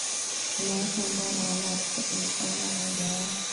wanawake ambao hawana watoto kabisa wala hawajawahi